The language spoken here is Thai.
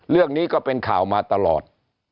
เรื่องนี้ก็เป็นข่าวมาตลอด